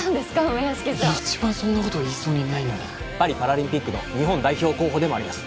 梅屋敷さん一番そんなこと言いそうにないのにパリパラリンピックの日本代表候補でもあります